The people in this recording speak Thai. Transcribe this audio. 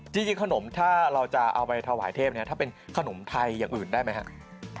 จริงขนมถ้าเราจะเอาไปถวายเทพเนี่ยถ้าเป็นขนมไทยอย่างอื่นได้ไหมครับ